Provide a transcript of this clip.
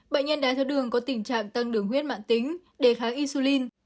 bệnh nhân đái tháo đường có tình trạng tăng đường huyết mạng tính đề kháng insulin